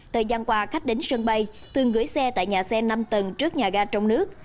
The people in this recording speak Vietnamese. thời gian qua khách đến sân bay thường gửi xe tại nhà xe năm tầng trước nhà ga trong nước